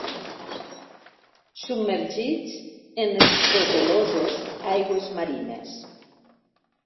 Submergits en les procel·loses aigües marines.